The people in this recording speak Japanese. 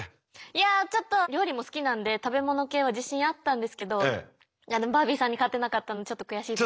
いやちょっと料理も好きなんで食べ物系は自信あったんですけどバービーさんに勝てなかったのちょっと悔しいです。